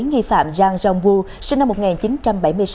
nghi phạm giang jong gu sinh năm một nghìn chín trăm bảy mươi sáu